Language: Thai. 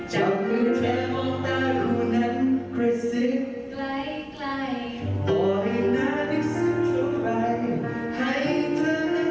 หลักหรอ